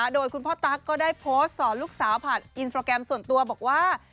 โดยคุณพ่อตั๊กก็ได้โพสต์สอนลูกสาวผ่านอินสตราแกรมส่วนตัวบอกว่า